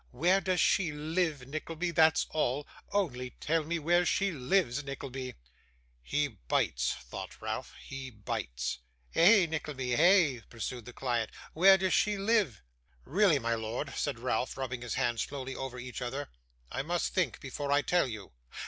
Where does she live, Nickleby, that's all? Only tell me where she lives, Nickleby.' 'He bites,' thought Ralph. 'He bites.' 'Eh, Nickleby, eh?' pursued the client. 'Where does she live?' 'Really, my lord,' said Ralph, rubbing his hands slowly over each other, 'I must think before I tell you.